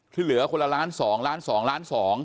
ที่เหลือคนละ๑๒ล้านบาท